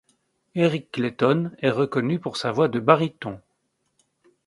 Eric Clayton est reconnu pour sa voix de baryton.